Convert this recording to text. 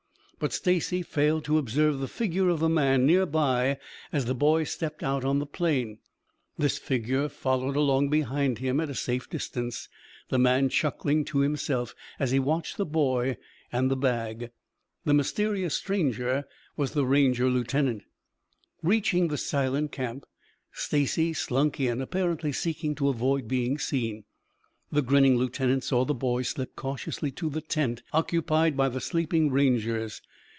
But Stacy failed to observe the figure of a man near by as the boy stepped out on the plain. This figure followed along behind him at a safe distance, the man chuckling to himself as he watched the boy and the bag. The mysterious stranger was the Ranger lieutenant. Reaching the silent camp, Stacy slunk in, apparently seeking to avoid being seen. The grinning lieutenant saw the boy slip cautiously to the tent occupied by the sleeping Rangers.